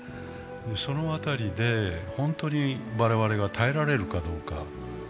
その辺りで本当に我々が耐えられるかどうか。